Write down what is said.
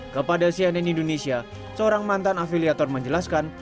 kepada cnn indonesia seorang mantan afiliator menjelaskan